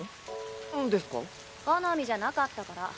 好みじゃなかったから。